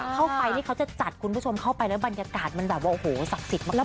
เข้าไปนี่เขาจะจัดคุณผู้ชมเข้าไปแล้วบรรยากาศมันแบบว่าโอ้โหศักดิ์สิทธิ์มาก